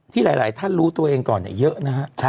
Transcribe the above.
ที่หลายท่านรู้ตัวเองก่อนเนี่ยเยอะนะฮะ